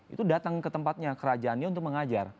itu datang ke tempatnya kerajaannya untuk mengajar